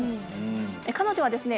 彼女はですね